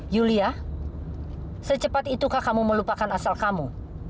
yulia secepat itukah kamu melupakan asal kamu